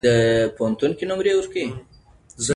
بانکونه د کانونو په استخراج کې پانګونه کوي.